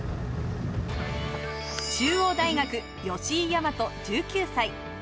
中央大学・吉居大和、１９歳。